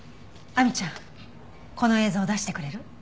亜美ちゃんこの映像を出してくれる？